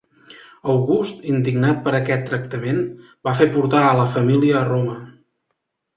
August, indignat per aquest tractament, va fer portar a la família a Roma.